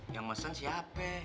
yang mesen siapa